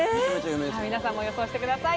皆さんも予想してください。